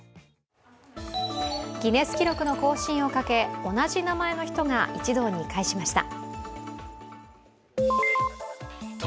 ギネス記録の更新をかけ同じな前の人が一堂に会しました。